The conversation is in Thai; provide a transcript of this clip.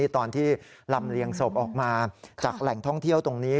ตอนที่ลำเลียงศพออกมาจากแหล่งท่องเที่ยวตรงนี้